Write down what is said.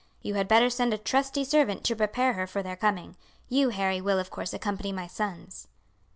You had better send a trusty servant to prepare her for their coming. You, Harry, will, of course, accompany my sons.